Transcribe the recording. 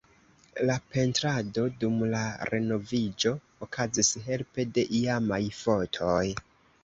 La pentrado dum la renoviĝo okazis helpe de iamaj fotoj.